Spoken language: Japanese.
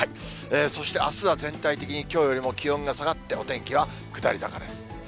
そしてあすは全体的にきょうよりも気温が下がって、お天気は下り坂です。